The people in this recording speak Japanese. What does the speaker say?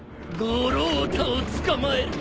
五郎太を捕まえる。